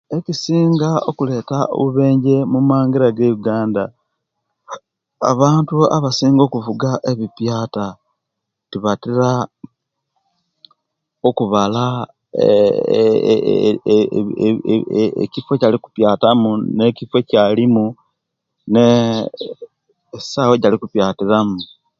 Ekisinga okuleta abubenje mumangira geuganda abantu abasinga okuvuga ebipiyata tibatira okubala eeh eeh eeh ekifo kyali kupyata mu nekyalimu neeee esawa ejali kupyatiramu